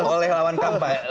oleh lawan kampanye